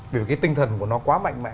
vì cái tinh thần của nó quá mạnh mẽ